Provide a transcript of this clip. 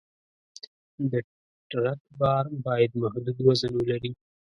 د ټرک بار باید محدود وزن ولري.